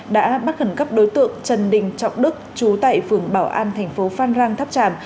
đã bắt gần gấp đối tượng trần đình trọng đức trú tại phường bảo an tp phan rang tháp tràm